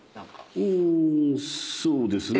うーんそうですね。